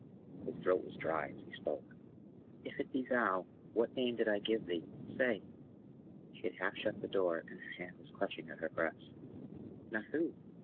His throat was dry as he spoke. "If it be THOU, what name did I give thee? Say!" She had half shut the door, and her hand was clutching at her breast. "Nathoo!